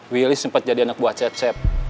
willy sempat jadi anak buah cecep